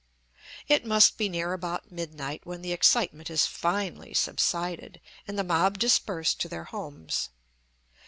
It must be near about midnight when the excitement has finally subsided, and the mob disperse to their homes.